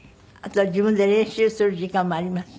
自分で練習する時間もあります？